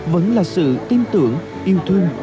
vẫn là sự tin tưởng yêu thương